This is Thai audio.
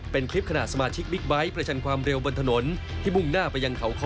เป็นคลิปขณะสมาชิกบิ๊กไบท์ประชันความเร็วบนถนนที่มุ่งหน้าไปยังเขาคอ